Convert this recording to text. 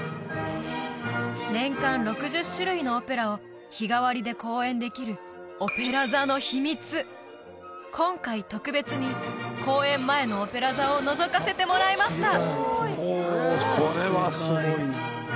年間６０種類のオペラを日替わりで公演できる今回特別に公演前のオペラ座をのぞかせてもらいました